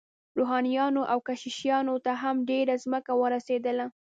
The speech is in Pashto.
روحانیونو او کشیشانو ته هم ډیره ځمکه ورسیدله.